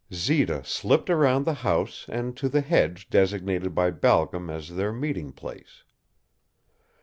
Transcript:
Zita slipped around the house and to the hedge designated by Balcom as their meeting place.